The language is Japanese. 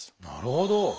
なるほど。